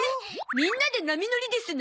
みんなで波乗りですな！